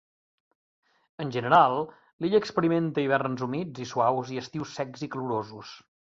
En general, l'illa experimenta hiverns humits i suaus i estius secs i calorosos.